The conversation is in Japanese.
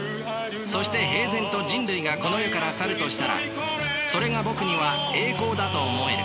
そして平然と人類がこの世から去るとしたらそれがぼくには栄光だと思える。